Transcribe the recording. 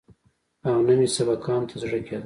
او نه مې سبقانو ته زړه کېده.